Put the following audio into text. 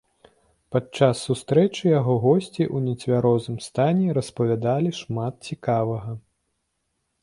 Падчас сустрэч яго госці ў нецвярозым стане распавядалі шмат цікавага.